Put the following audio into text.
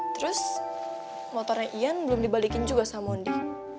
terus motornya ian belum dibalikin juga sama mondi